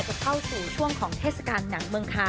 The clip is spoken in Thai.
เข้าสู่ช่วงของเทศกาลหนังเมืองคา